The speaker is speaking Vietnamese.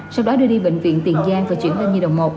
sau đó đưa đi bệnh viện tiền giang và chuyển lên nhi đồng một